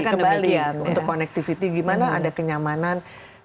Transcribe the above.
kembalian untuk connectivity gimana ada kenyamanan